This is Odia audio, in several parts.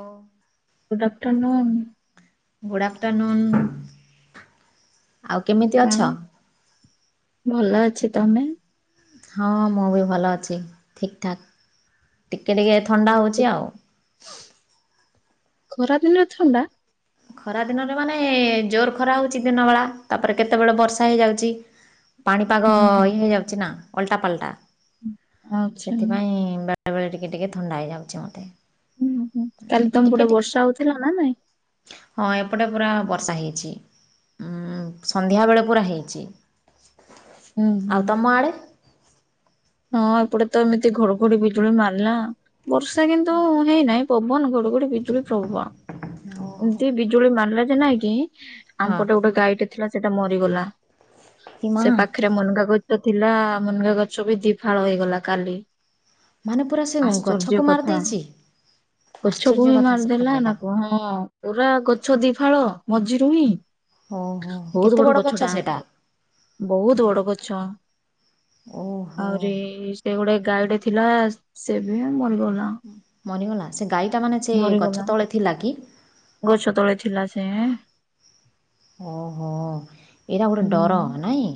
ହଁ ଗୁଡ଼୍ ଆଫ୍ଟରନୁନ୍ ଗୁଡ ଆଫ୍ଟରନୁନ ଆଉ କେମିତି ଆଉ ଅଛ ଭଲ ଅଛି ତମେ ହଁ ମୁଁ ବି ଭଲ ଅଛି ଠିକଠାକ୍ ଟିକିଏ ଟିକେ ଥଣ୍ଡା ଏ ହେଉଛି ଆଉ ଖରାଦିନରେ ଥଣ୍ଡା ଖରା ଦିନରେ ମାନେ ଜୋର ଖରା ହଉଛି ଦିନ ବଳା ତାପରେ କେତେବେଳେ ବର୍ଷା ହେଇଯାଉଛି ପାଣିପାଗ ହୁଁ ହୁଁ ଇଏ ହୁଁ। ହେଇଯାଉଛି ନା ଅଲଟାପାଲଟା ଆଚ୍ଛା। ସେଥିପାଇଁ ବେଳେବେଳେ ଟିକେ ଟିକେ ଥଣ୍ଡା ହେଇଯାଉଛି ମୋତେ ହୁଁ ହୁଁ କାଲି ତମେ ଟିକେ ପଟେ ଟିକେ ବର୍ଷା ହଉଥିଲା ନା ନାଇଁ ହଁ ଏପଟେ ପୁରା ବର୍ଷା ହେଇଛି ଉଁ ସନ୍ଧ୍ୟାବେେଳେ ପୁରା ହେଇଛି ହୁଁ ହୁଁ ଆଉ ତମ ଆଡ଼େ ହଁ ଏପଟେ ତ ଏମିତି ଘଡଘଡି ବିଜୁଳି ମାରିଲା ବର୍ଷା କିନ୍ତୁ ହେଇନାହିଁ ପବନ ଘ ଡଘଡି ବିଜୁଳି ପ୍ରଭବ ଏମତି ବିଜୁଳି ମାରିଲା ଯେ ନାଇଁ କି ହଁ ଆମପଟେ ଗୋଟେ ଗାଈଟେ ଥିଲା ସେଟା ମରିଗଲା ଏ ମା' ସେ ପାଖରେ ମନକା କ ଥିଲା ମୁନଗା ଗଛ ବି ଦିଫାଳ ହେଇଗଲା କାଲି ମାନେ ପୁରା ସେ ଗଛକୁ ଆଶ୍ଚର୍ଯ୍ୟ କଥା ମାରିଦେଇଛି ଗଛକୁ ଆଶ୍ଚର୍ଯ୍ୟ ବି କଥା ସତରେ ମାରିଦେଲା ନା ଏଇଟା କଣ ହଁ ପୁରା ଗଛ ଦି ଫାଳ ମଝିରୁ ହିଁ ଓହୋ ବହୁତ କେତେ ବଡ ବଡ଼ ଗଛ ଟା ସେଟା? ବହୁତ ବଡ ଗଛ ଓହୋ ଆହୁରି ସେ ଗୋଟେ ଗାଈଟେ ଥିଲା ସେ ବି ମରିଗଲା ମରିିଗଲା ସେ ଗାଈ ଟା ମାନେ ସେ ମରିଗଲା ଗଛ ତଳେ ଥିଲା କି ଗଛ ତଳେ ଥିଲା ସେ ଓହୋ ଏଇଟା ଗୋଟେ ହୁଁ ଡର ନାଇଁ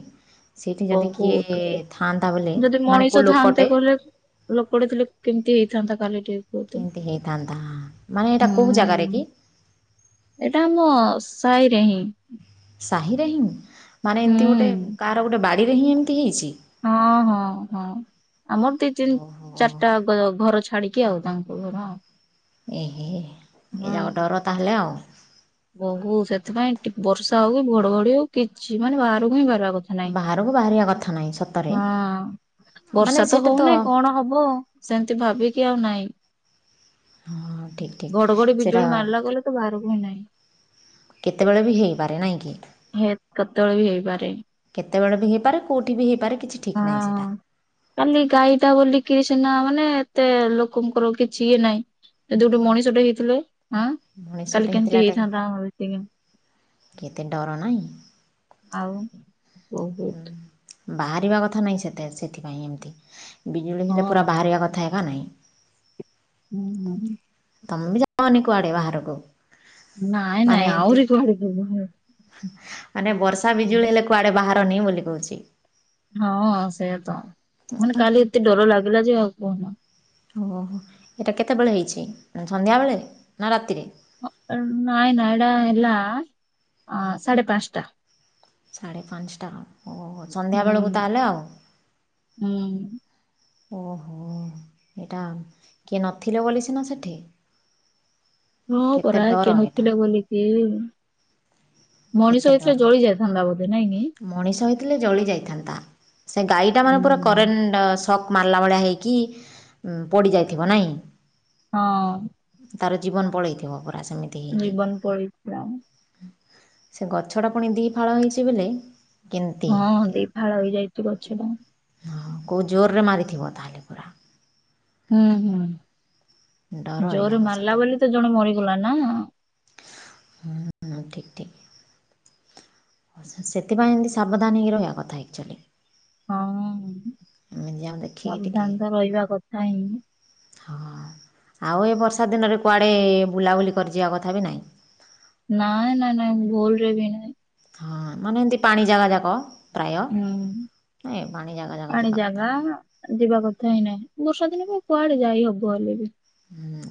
ସେଇଠି ଯଦି କିଏ ବହୁତ ଥାଆନ୍ତା ବୋଲେ ଯଦି ମାନେ ମଣିଷ କେଉଁ ଥାନ୍ତେ ଲୋକଟେ କହିଲେ ଲୋକଟେ ଥିଲେ କେମିତି ହେଇଥାନ୍ତା କାଲି ଟିକେ କୁହତ କେମିତି ହେଇଥାନ୍ତା ମାନେ ଏଇଟା କେଉଁ ହୁଁ ଜାଗାରେ କି? ଏଇଟା ଆମ ସାହି ରେ ହିଁ ସାହିରେ ହିଁ ମାନେ ହୁଁ ଏମିତି ଗୋଟେ କାହାର ଗୋଟେ ବାଡିରେ ହିଁ ଏମିତି ହେଇଛି ହଁ ହଁ ହଁ ଆମର ଦି ତିନି ଓହୋ ଚାରିଟା ଘର ଛାଡିକି ଆଉ ତାଙ୍କ ଘର ଅ ଏହେ ଏ ଯାକ ଡର ତାହେଲେ ଆଉ ବହୁ ସେଥିପାଇଁ ଟି ବର୍ଷା ହଉ କି ଘଡଘଡି ହଉ କିଛି ମାନେ ବାହାରକୁ ହିଁ ବାହାରିବା କଥା ନାଇଁ ବାହାରକୁ ବାହାରିବା କଥା ନାହିଁ ସତରେ ହଁ ମାନେ ବର୍ଷା ତ ସେଟା ହଉନାହିଁ କଣ ହବ ସେମିତି ଭାବିକି ଆଉ ନାଇଁ ହଁ ଠିକ୍ ଠିକ୍ ଘଡଘଡି ବିଜୁଳି ସେଇଟା ମାରିଲା ଗଲେ ତ ବାହାରକୁ ହି ନାହିଁ କେତେବେଳେ ବି ହୋଇପାରେ ନାହିଁ କି ହେ କେତେବେଳେ ବି ହେଇପାରେ। କେତେବେଳେ ବି ହେଇପାରେ କୋଉଠି ବି ହେଇପାରେ କିଛି ଠିକ ନାହିଁ ହଁ। ସେଇଟା କାଲି ଗାଈଟା ବୋଲିକି ସିନା ମାନେ ଏତେ ଲୋକଙ୍କର କିଛି ନାଇଁ ଯଦି ଗୋଟେ ମଣିଷ ଟେ ହେଇଥିଲେ ଆଁ ମଣିଷଟେ କାଲି କେମିତି ହେଇଥିଲାଟା ହେଇଥାନ୍ତା କେତେ ଡର ନାହିଁ ଆଉ ବହୁତ ବାହାରିବା କଥା ନାହିଁ ସେତେ ସେଥିପାଇଁ ଏମତି। ବିଜୁଳି ହଁ ହେଲା ପୁରା ବାହାରିବା କଥା ଏ କାନେ? ହୁଁ ହୁଁ। ତମେ ବି ଯଓନି କୁଆଡେ ବାହାରକୁ? ନାଇଁ ମାନେ ନାଇ ଏମିତି ଆହୁରି ଜୋରେ [unintelligible] ମାନେ ବର୍ଷା ବିଜୁଳି ହେଲେ କୁଆଡେ ବାହାରନି ବୋଲି କହୁଛି। ହଁ ସେଆତ ମାନେ କାଲି ଏତେ ଡର ଲାଗିଲା ଯେ ଆଉ କୁହନା? ଓହ ଏଇଟା କେତେବେଳେ ହେଇଛି ସନ୍ଧ୍ୟାବେଳେ ନା ରାତିରେ? ନାଇଁ ନାଇ ଏଡ଼ା ହେଲା ଅ ସାଢ଼େ ପାଞ୍ଚଟା। ସାଢ଼େ ପାଞ୍ଚଟା ଓ ହୁଁ ସନ୍ଧ୍ୟାବେଳକୁ ତାହେଲେ ଆଉ। ହୁଁ। ଓହୋ ଏଇଟା କିଏ ନଥିଲେ ବୋଲି ସିନା ସେଠି। ହଁ କେତେ ପରା ଡର କିଏ ଏଇଟା ନଥିଲେ ବୋଲି ଏ କେତେ ମଣିଷ ଡର ହୋଇଥିଲେ ଜଳି ଯାଇଥାନ୍ତା ବୋଧେ ନାଇଁ କିି? ମଣିଷ ହେଇଥିଲେ ଜଳି ଯାଇଥାନ୍ତା ସେ ଗାଈ ଟା ମାନେ ପୁରା କରେଣ୍ଟ ସକ୍ ମାରିଲା ଭଳିଆ ହେଇକି ପଡି ଯାଇଥିବ ନାଇ? ହଁ। ତାର ଜୀବନ ପଳେଇଥିବ ପୁରା ସେମିତି ହେଇକି। ଜୀବନ ପଳେଇଥିଲା ସେ ଗଛଟା ପୁଣି ଦୁଇ ଫାଳ ହୋଇଛି ବୋଲେ। ହଁ ଦି ଫାଳ ହେଇଯାଇଛି ଗଛ ଟା। ହଁ କୋଉ ଜୋରରେ ମାରିଥିବ ତାହେଲେ ପୁରା। ହୁଁ ହୁଁ ଡର ଏଯାକ ଜୋର ମାରିଲା ବୋଲି ତ ଜଣେ ମରିଗଲା ନା? ହୁଁ ହୁଁ ଠିକ୍ ଠିକ୍। ସେଥିପାଇଁ ଏମିତି ସାବଧାନ ହୋଇକି ରହିବା କଥା ଏକକ୍ଚୁଆଲି। ହଁ ଯାକ ଦେଖିକି ଟିକେ ସାବଧାନ ତ ରହିବା କଥା ହିଁ। ହଁ ଆଉ ଏ ବର୍ଷା ଦିନରେ କୁଆଡ଼େ ବୁଲାବୁଲି କରିଯିବା କଥା ବି ନାହିଁ। ନାଇଁ ନାଇଁ ନାଇଁ ମୁଁ ଭୁଲରେ ବି ନାଇଁ। ହଁ ମାନେ ଏମିତି ପାଣି ଜାଗା ଯାକ ପ୍ରାୟ ହୁଁ। ନାଇ ପାଣି ଜାଗା ଯାକ ପାଣି ଯିବା ଜାଗା କଥା ନାହିଁ। ଯିବା କଥା ହିଁ ନାହିଁ ବର୍ଷାଦିନେ ବି କୁଆଡେ ଯାଇ ହବ ହେଲେ ବି ହୁଁ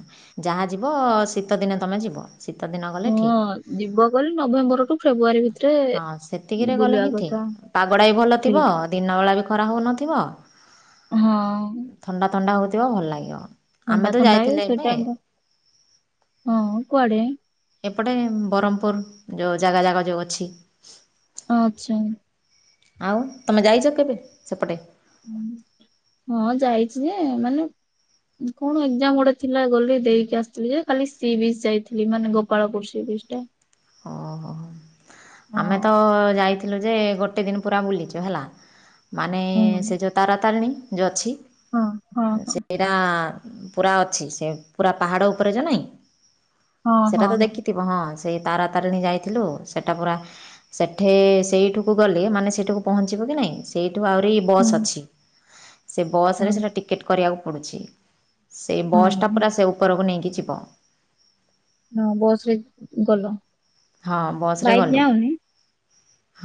ଯାହା ଯିବ ଶୀତ ଦିନେ ତମେ ଯିବ ଶୀତ ଦିନ ଗଲେ ହଁ ଠିକ। ଯିବ ଗଲେ ନଭେମ୍ୱର ଟୁ ଫେବୃୟାରୀ ଭିତ ହଁ ସେତିକିରେ ଗଲେ ହିଁ ଠିକ ପାଗଟା ବି ଭଲ ଥିବ ଠିକ ଦିନ ବଳା ବି ଖରା ହଉନଥିବ। ହଁ। ଥଣ୍ଡା ଥଣ୍ଡା ହେଉଥିବ ଭଲ ଲାଗିବ। ଆମେ ଥଣ୍ଡା ତ ଥଣ୍ଡା ଯାଇଥିଲେ ଏବେ ସେଇଟାଇମ୍ ଟା ହଁ କୁଆଡେ? ଏପଟେ ବ୍ରହ୍ମପୁର ଯେଉଁ ଜାଗା ଜାଗା ଯେଉଁ ଅଛି। ଆଛା। ଆଉ ତୁମେ ଯାଇଛ କେବେ ସେପଟେ? ହୁଁ ହଁ ଯାଇଛି ଯେ ମାନେ କଣ ଏକ୍ଜାମ ଗୋଟେ ଥିଲା ଗଲି ଦେଇକି ଆସିଥିଲି ଯେ ଖାଲି ସି ବିଚ ଯାଇଥିଲି ମାନେ ଗୋପାଳପୁର ସି ବିଚି ଟା। ହଁ ହଁ ହଁ। ହଁ ଆମେ ତ ଯାଇଥିଲୁ ଯେ ଗୋଟେ ଦିନ ପୁରା ବୁଲିଛୁ ହେଲା। ମାନେ ହୁଁ ସେ ଯେଉଁ ତାରାତାରିଣୀ ଯେଉଁ ଅଛି ହଁ ହଁ ହଁ ସେ ସେଟା ପୁରା ଅଛି ସେ ପୁରା ପାହାଡ଼ ଉପରେ ଯୁ ନାହିଁ ସେଟା ତ ଦେଖି ଥିବ ହଁ ସେଇ ତାରାତାରିଣୀ ଯାଇଥିଲୁ ସେଇଟା ପୁରା ସେଠେ ସେଇଠିକୁ ଗଲେ ମାନେ ସେଇଠିକୁ ପହଞ୍ଚିବ କି ନାଇଁ ସେଇଠୁ ଆହୁରି ହଁ ବସ୍ ଅଛି। ସେ ବସ୍ ହଁ ରେ ଟିକେଟ୍ କରିବାକୁ ପଡ଼ୁଛି ସେଇ ହଁ ବସ୍ ଟା ପୁରା ସେ ଉପରକୁ ନେଇକି ଯିବ। ହଁ ବସ୍ ରେ ଗଲ। ହଁ ବସ୍ ରେ ବାଇକ୍ ଗଲୁ। ଯାଅନି?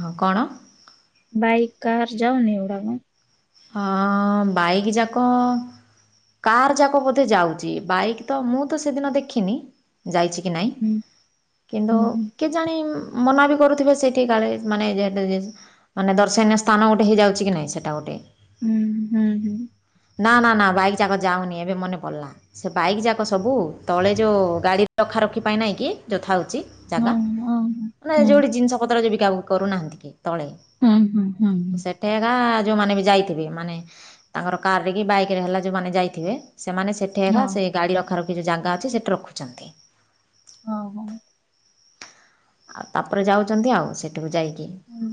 ହଁ କଣ? ବାଇକ୍ କାହାର ଯାଉନି ଏଡ଼ା ହଁ ବାଇକ୍ ଯାକ କାର୍ ଯାକ ବୋଧେ ଯାଉଛି ବାଇକ୍ ତ ମୁଁ ତ ସେଦିନ ଦେଖିନି। ଯାଇଛି କି ନାହିଁ କିନ୍ତୁ କେଜାଣି ମନା ବି କରୁଥିବେ ସେଇଠି କାଳେ ମାନେ ମାନେ ଦର୍ଶନୀୟ ସ୍ଥାନ ଗୋଟେ ହେଇଯାଉଛି କି ନାହିଁ ସେଇଟା ଗୋଟେ। ହୁଁ ହୁଁ ହୁଁ। ନା ନା ନା ବାଇକ୍ ଯାକ ଯାଉନି ଏବେ ମନେ ପଡ଼ିଲା। ସେ ବାଇକ୍ ଯାକ ସବୁ ତଳେ ଯୋଉ ଗାଡ଼ି ରଖା ରଖି ପାଇଁ ନାହିଁ କି ଯୋ ଥାଉଛି। ଜାଗା ମାନେ ଯେଉଁଠି ଜିନିଷ ପତ୍ର ଯେ ବିକା ବୁକି କରୁନାହାଁନ୍ତି କି ତଳେ ହୁଁ ହୁଁ ହୁଁଁ। ସୋ ଯୋଉ ମାନେ ବି ଯାଇ [inaudible] ମାନେ ତାଙ୍କର କାର୍ ରେ କି ବାଇକ୍ ରେ ହେଲା ଯୋଉ ମାନେ ଯାଇଥିବେ ସେମାନେ ସେଠି ଏକା ହଁ, ସେଇ ଗାଡ଼ି ର ଯୋଉ ଜାଗା ଅଛି ସେଠି ରଖୁଛନ୍ତି। ହଁ ହୋ। ତାପରେ ଯାଉଛନ୍ତି ଆଉ ସେଠିକୁ ଯାଇକି। ହୁଁ,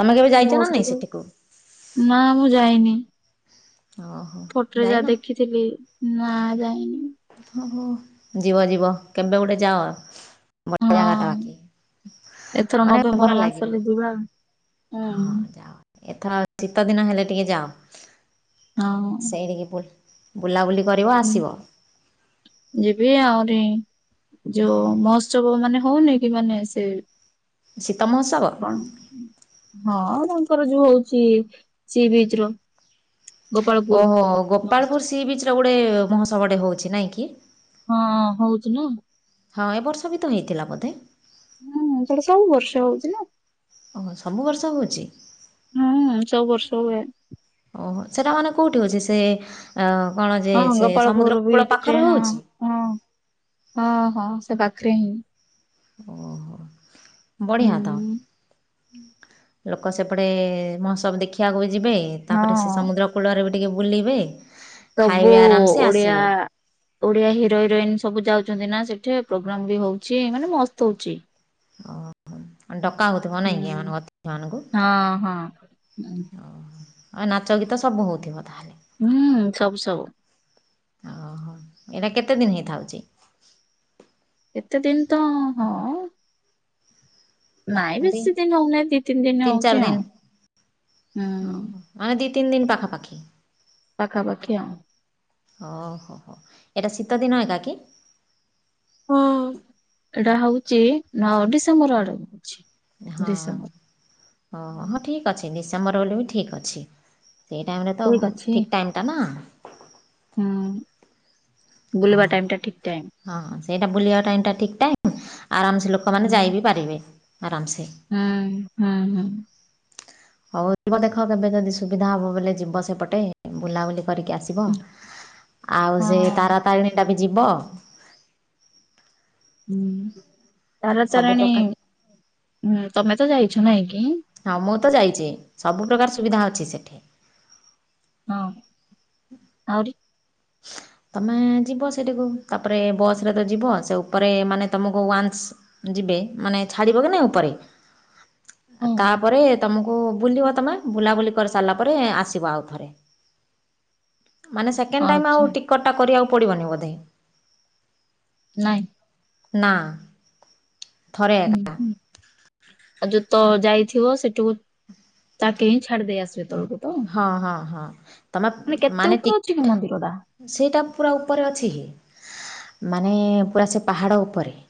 ତମେ କେବେ ଯାଇଚ ନା ବସରେ ନାଇଁ ଯାଉ ସେଠିକୁ? ନା ମୁଁ ଯାଇନି। ହଁ। ଫୋଟରେ ଯାହା ଦେଖିଥିଲି ନା ଯାଇନି। ଯିବ ଯିବ କେବେ ଗୋଟେ ଯାଅ। ବଢିଆ ଜାଗା ଟା ହଁ, ବାକି ମାନେ ଭଲ ଲାଗିବ। [inaudible] କୁହ। ହଁ ଯାଅ ଏଥର ଶୀତ ଦିନ ହେଲେ ଟିକେ ଯାଅ। ହଁ, ବୁଲାବୁଲି କରିବ ହୁଁ, ଆସିବ। ଯିବି ଆହୁରି ଯୋ ମହୋତ୍ସବ ମାନେ ହଉନି କି ମାନେ ସେ ଶୀତ ମହୋତ୍ସବ କଣ? ହଁ ତାଙ୍କର ଯୋଉ ହଉଚି ସି ବିଚ୍ ର। ଗୋପାଳପୁର ଓହୋ ଗୋପାଳପୁର ମହୋତ୍ସବ ସି ବିଚ୍ ରେ ଗୋଟେ ମୋହତ୍ସବ ଟେ ହଉଛି ନାହିଁ କି। ହଁ ହଉଚି ନା। ହଁ ଏ ବର୍ଷ ବି ତ ହେଇଥିଲା ବୋଧେ। ହୁଁ ସେଟା ସବୁ ବର୍ଷ ହଉଛି ନା। ଓ ସବୁ ବର୍ଷ ହଉଚି। ହୁଁ ସବୁ ବର୍ଷ ହୁଏ। ଓହୋ ସେଟା ମାନେ କୋଉଠି ହଉଚି ସେ ଏ କଣ ଯେ ହଁ ସେ ସମୁଦ୍ର ଗୋପାଳପୁର କୂଳ ବିଚରେ ପାଖରେ ହଁ ହଉଛି? ହଁ ହଁ ହଁ ସେ ପାଖରେ ହିଁ। ଓହୋ ବଢ଼ିଆତ। ହୁଁ ଲୋକ ସେପଟେ ମହୋତ୍ସବ ଦେଖିବାକୁ ବି ଯିବେ ତାପରେ ସେ ହଁ ସମୁଦ୍ର କୂଳରେ ବି ଟିକେ ବୁଲିବେ। ସବୁ ଖାଇବେ ଆରାମସେ ଓଡ଼ିଆ ଆସିବେ ଓଡିଆ ହିରୋ ହିରୋଇନ ସବୁ ଯାଉଛନ୍ତି ନା ସେଠି ପ୍ରୋଗ୍ରାମ ବି ହଉଚି ମାନେ ମସ୍ତ ହଉଚି। ଓ ହୋ ଆଙ୍କୁ ଡକା ହଉଥିବ ନାଇଁ କି ହୁଁ ଏମାନଙ୍କୁ ଅତିଥି ମାନଙ୍କୁ। ହଁ ହଁ। ଓ ଆଉ ନାଚ ଗୀତ ସବୁ ହଉଥିବ ତାହେଲେ। ହୁଁ ସବୁ ସବୁ। ଓହୋ ଏଇଟା କେତେ ଦିନି ହେଇଥାଉଛି। କେତେ ଦିନ ତ ହଁ। ନାଇଁ ଏମିତି ବେଶୀ ଦିନ ହଉ ନାହିଁ ଦି ତିନି ଦିନ ଚାରି ହଉଛି ଦିନ ଆଉ ହୁଁ। ହଁ ଏ ଦି ତିନି ଦିନ ପାଖାପାଖି। ପାଖା ପାଖି ଆଉ। ହଁ ହୋ ହୋ ଏଇଟା ଶୀତଦିନ ଏକା କି। ହୁଁ ଏଇଟା ହଉଛି ନଅ ଡିସେମ୍ବର ଆଡ଼କୁ ହଉଛି। ହଁ ହଁ ହଁ ଠିକ୍। ଠିକ୍ ଅଛି ଡିସେମ୍ବର ହେଲେ ବି ଠିକ୍ ଅଛି ସେଇ ଟାଇମ୍ ରେ ତ ଅଛି। ଠିକ୍ ଟାଇମ୍ ଟା ନା। ହୁଁ। ଅ ବୁଲିବା ଟାଇମ୍ ଟା ହ ଠିକ୍ ଟାଇମ୍। ହଁ ସେଇଟା ବୁଲିବା ଟାଇମ ଟା ଠିକ ଟାଇମ ଆରାମସେ ଲୋକ। ସେମାନେ ହୁଁ, ଯାଇ ବିି ପାରିବେ ଆରାମସେ। ହୁଁ ହୁଁ ହୁଁ। ହଉ ଯିବ ଦେଖ କେବେ ଯଦି ସୁବିଧା ହବ ବଲେ ଯିବ ସେପଟେ ବୁଲାବୁଲି କରିକି ଆସ ସିବ ଆଉ ସେ ହଁ। ତାରାତାରିଣୀ ଟା ବି ଯିବ। ଉଁ ତାର ସବୁ ତାରିଣୀ ପ୍ରକାର ତମେ ତ ଯାଇଛ ନାହିଁ କିି। ହଁ ମୁଁ ତ ଯାଇଛି ସବୁପ୍ରକାର ସୁବିଧା ହୁଁ। ଅଛି ସେଠି। ହଁ ଆହୁରି। ତୁମେ ଯିବ ସେଠିକୁ ତାପରେ ବସ୍ ରେ ତ ଯିବ ସେ ଉପରେ ମାନେ ତୁମକୁ ୱାନ୍ସ। ଯିବେ ମାନେ ଛାଡିବ କି ନାଇ ଉପରେ ହଁ। ଆଉ ତାପରେ ତମକୁ। ବୁଲିବ ତୁମେ ବୁଲାବୁଲି କରିସାରିଲା ପରେ ଆସିବ ଆଉ ଥରେ। ମାନେ ସେକେଣ୍ଡ ଟାଇମ ଆଚ୍ଛା, ଆଉ ଟିକଟ ଟା କରିବାକୁ ପଡ଼ିବନି ବୋଧେ। ନାଇଁ। ନା ଥରେ ହୁଁ, ଏକା। ହୁଁ, ଆଉ ଯୋଉ ତ ଯାଇଥିବ ସେଠକୁ ତାକେ ହିଁ ଛାଡି ଦେଇ ଆସିବେ ତଳକୁ ତ। ହଁ ହଁ ହଁ। ତମେ ମାନେ କେତେ ଟି ଉପରେ ଅଛି କି ମନ୍ଦିର ଟା। ସେଇଟା ପୁରା ଉପରେ ଅଛି ହି ମାନେ ପୁରା ସେ ପାହାଡ ଉପରେ।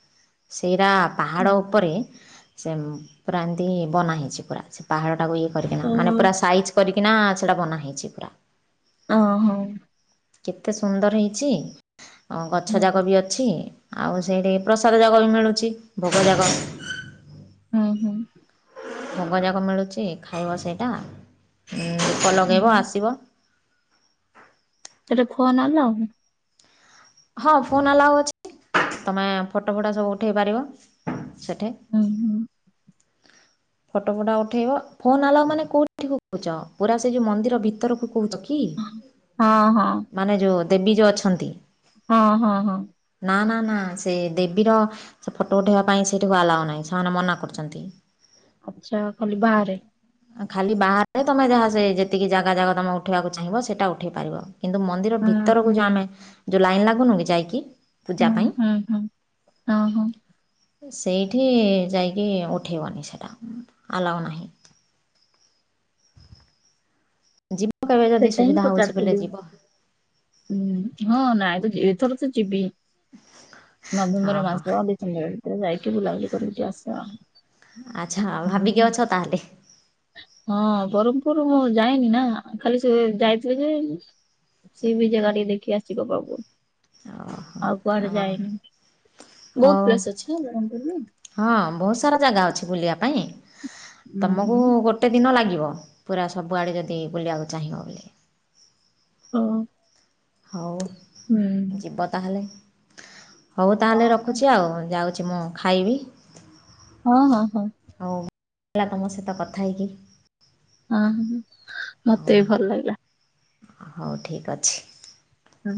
ସେଇରା ପାହାଡ଼ ଓ ଉପରେ। ସେ ପୁରା ଏମିତି ବନା ହେଇଛି ପୁରା ସେ ପାହାଡ଼ ଟାକୁ ବି। କରିକିନା ମାନେ ହୋ। ପୁରା ସାଇଜ୍ କରିକିନା ସେଇଟା ବନା ହେଇଛି ପୁରା। ଓ ହଁ। କେତେ ସୁନ୍ଦର ହେଇଛି ଆଉ ହୁଁ, ଗଛଯାକ ବି ଅ ଛି ଆଉ ସେଇଠି ପ୍ରସାଦ ଯାକ ବି ମିଳୁଛି ଭୋଗ ଯାକ। ହୁଁ ହୁଁ। ଭଗଯାକ ମିଳୁଛି ଖାଇବ ସେଇଟା ଦିପ ଲଗେଇବ ହୁଁ। ଆସିବ। ସେଠି ଫୋନ ଆଲାଉ ନା। ହଁ ଫୋନ ଆଲାଓ ଅଛି ତମେ ଫଟୋ ଫଟୋ ସବୁ ଉଠେଇ ପାରିବ। ସେଠେ। ହୁଁ, ହୁଁ। ଫଟୋ ଫଟା ଉଠେଇବ ଫୋନ ଆଲାଉ ମାନେ କୋଉଠି କହୁଛ ପୁରା ସେ ଯୋଉ ମନ୍ଦିର ଭିତରକୁ କହୁଛ କି। ହଁ ହଁ ହଁ। ମାନେ ଯୋଉ ଦେବୀ ଯୋଉ ଅଛନ୍ତି। ହଁ ହଁ ହଁ। ନା ନା ନା ସେ ଦେବୀ ର ସେ ଫଟୋ ଉଠେଇବା ପାଇଁ ସେଇଠିକୁ ଆଲାଓ ନାହିଁ ସେମାନେ ମନା କରୁଚନ୍ତି। ଆଚ୍ଛା ଖାଲି ବାହାରେ? ଆଁ ଖାଲି ବାହାରେ ତମେ ଯାହା ସେ ଯେତିକି ଜାଗା ଜାଗା ତମେ ଉଠେଇବାକୁ ଚାହିଁବ ସେଟା ଉଠେଇ ପାରିବ। କିନ୍ତୁ ମନ୍ଦିର ହୁଁ ଭିତରକୁ ହୁଁ ଯୋଉ ଆମେ ଯୋଉ ଲାଇନ୍ ଲାଗୁନୁ କି ଯାଇକି ପୂଜା ହୁଁ ପାଇଁ ହୁଁ ହୁଁ ଓହୋ। ସେଇଠି ଯାଇକି ଉଠେଇବନି ସେଟା ଆଲାଓ ନାହିଁ। ଯିବ କେବେ ଯଦି ସେଟା ହିଁ ସୁବିଧା ହେଉଛି ବୋଲେ ପଚାରଥିଲି ଯିବ ହଁ ନାଇଁ ତ ଯେ ଏଥର ତ ଯିବି। ହଁ ନଭେମ୍ବର ହଁ ମାସ ଡିସେମ୍ବର ଭିତରେ ଯାଇକି ବୁଲାବୁଲି କରିକି ଆସିବା ଆଉ। ଆଚ୍ଛା ଆଉ ଭାବିକି ଅଛ ତାହାଲେ। ହଁ ବରହ୍ମପୁରୁ ମୁଁ ଯାଇନି ନା। ଖାଲି ସେ ଯାଇଥିଲି ଯେ ସି ବିଚ୍ ଜେଗା ଟିକେ ଦେଖି ଆସିବ ବାବୁ। ଆଉ କୁଆଡ଼େ ହଁ ଯାଇନି ହଉ ବହୁତ ପ୍ଲେସ୍ ଅଛି ବରହ୍ମପୁରୁରେ। ହଁ ବହୁତ ସାରା ଜାଗା ଅଛି ବୁଲିବା ପାଇଁ ହଁ ତମକୁ ହୁଁ। ଗୋଟ ଗୋଟେ ଦିନ ଲାଗିବ ପୁରା ସବୁଆଡ଼େ ଯଦି ବୁଲିବାକୁ ଚାହିଁବ ବୁଲି। ହଁ। ହଉ ଯିବ ତାହେଲେ। ହଉ ତାହେଲେ ହଁ ରଖୁଚି ଆଉ ଯାଉଚି ମୁଁ ଖାଇବି। ହଁ ହଁ ହଁ। ହଉଁ ଲା ତମ ସହିତ କଥା ହେଇକି। ହଁ ହୁଁ ମତେ ବି ଭଲ ଲାଗିଲା। ହଉ ଠିକ୍ ଅଛି। ହୁଁ।